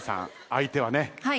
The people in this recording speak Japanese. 相手はね